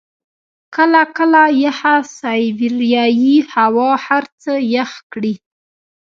کله کله یخه سایبریايي هوا هر څه يخ کړي.